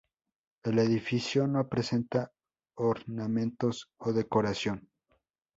El edificio no presenta ornamentos o decoración.